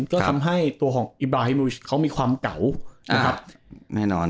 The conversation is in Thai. ก็ทำให้ตัวของอิบราฮิโมวิชเขามีความเก่า